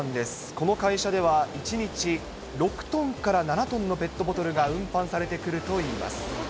この会社では、１日６トンから７トンのペットボトルが運搬されてくるといいます。